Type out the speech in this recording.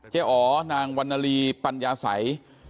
เจ๊อ๋อนางวรรณรีปัญญาสัย